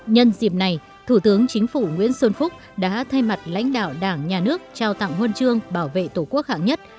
nhân dịp này thủ tướng chính phủ nguyễn xuân phúc đã thay mặt lãnh đạo đảng nhà nước trao tặng huân chương bảo vệ tổ quốc hạng nhất